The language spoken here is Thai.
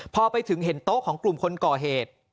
พอไปถึงเห็นโต๊ะของกลุ่มคนก่อเหตุ